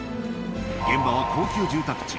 現場は高級住宅地。